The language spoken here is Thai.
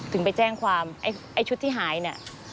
ไปแจ้งความไอ้ชุดที่หายเนี่ย